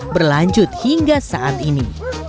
berlanjut hingga saat ini